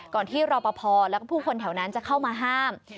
ก่อนที่รอบอภอและผู้คนแถวนั้นจะเข้ามาห้าม